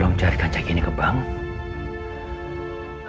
tolong carikan cagini ke bank